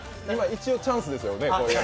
一応チャンスですよね。